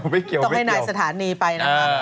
ไม่เกี่ยวต้องให้นายสถานีไปนะครับ